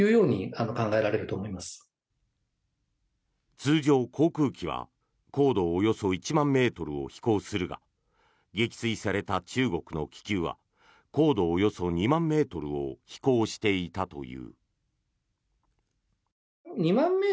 通常、航空機は高度およそ１万ｍを飛行するが撃墜された中国の気球は高度およそ２万ｍを飛行していたという。